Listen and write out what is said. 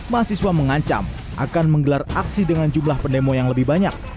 mahasiswa mengancam akan menggelar aksi dengan jumlah pendemo yang lebih banyak